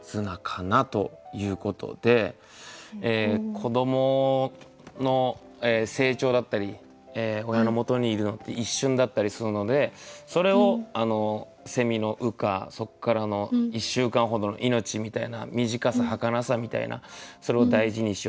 子どもの成長だったり親のもとにいるのって一瞬だったりするのでそれをの羽化そっからの１週間ほどの命みたいな短さ儚さみたいなそれを大事にしよう